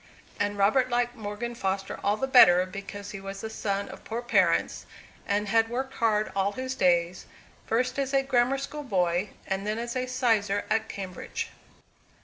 And Robert liked Morgan Foster all the better because he was the son of poor parents, and had worked hard all his days, first as a grammar school boy, and then as a sizar at Cambridge.